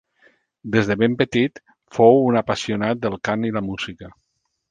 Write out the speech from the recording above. Des de ben petit, fou un apassionat del cant i la música.